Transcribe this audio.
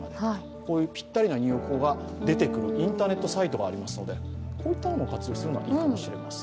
こういうピッタリな入浴法が出てくるインターネットサイトがありますのでこういうのを活用するのもいいかもしれません。